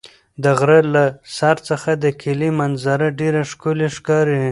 د غره له سر څخه د کلي منظره ډېره ښکلې ښکاري.